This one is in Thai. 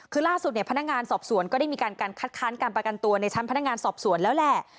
คือล่าสุดเนี่ยพนักงานสอบสวนก็ได้มีการคัดค้านการประกันตัวในชั้นพนักงานสอบสวนแล้วแหละ